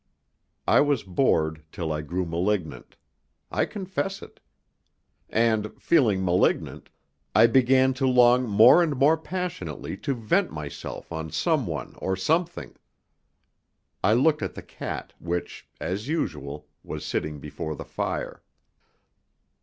I was bored till I grew malignant. I confess it. And, feeling malignant, I began to long more and more passionately to vent myself on someone or something. I looked at the cat, which, as usual, was sitting before the fire.